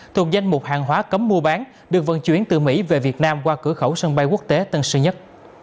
thuộc danh mục hàng hóa cấm mua bán được vận chuyển từ mỹ về việt nam qua cửa khẩu sân bay quốc tế tân sơn nhất